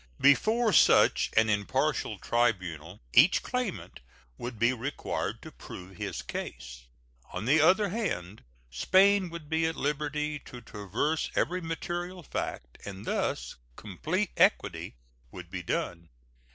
Before such an impartial tribunal each claimant would be required to prove his case. On the other hand, Spain would be at liberty to traverse every material fact, and thus complete equity would be done.